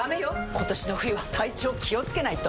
今年の冬は体調気をつけないと！